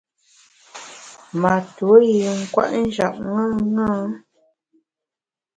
Ma tuo yin kwet njap ṅaṅâ.